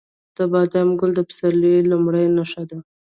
د بادام ګل د پسرلي لومړنی نښه ده.